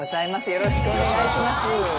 よろしくお願いします。